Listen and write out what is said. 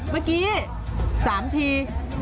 เมื่อกี้๓ที